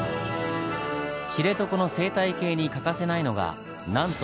知床の生態系に欠かせないのがなんと流氷。